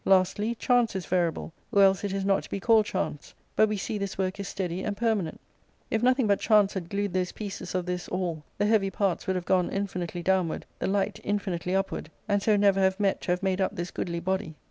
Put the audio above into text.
Lastly, chance is variable, or else it is not to be called chance ; but we see this work is steady and permanent If nothing but chance had glued those pieces of this All, the heavy parts would have gone infinitely downward, the light infinitely upward, and so never have met to have made up this goodly body.